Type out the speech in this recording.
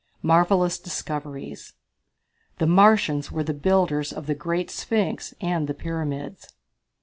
Marvellous Discoveries. The Martians Were the Builders of the Great Sphinx and the Pyramids.